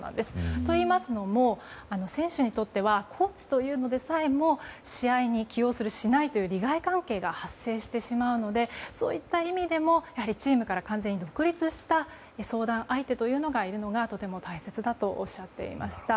といいますのも選手にとってはコーチというのでさえも試合に起用する、しないという利害関係が発生してしまうのでそういった意味でもチームから完全に独立した相談相手というのがいるのがとても大切だとおっしゃっていました。